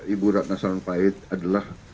ibu rana sarumpait adalah